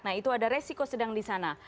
nah itu ada resiko sedang di sana